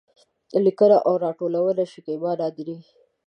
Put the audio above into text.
لیکنه او راټولونه: شکېبا نادري